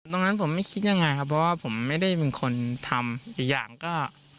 ตรงนั้นผมคิดยังไงเพราะว่าผมไม่ได้เป็นคนทำอย่างก็